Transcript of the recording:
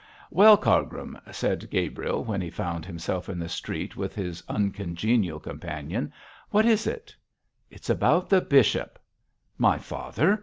'Well, Cargrim,' said Gabriel, when he found himself in the street with his uncongenial companion, 'what is it?' 'It's about the bishop.' 'My father!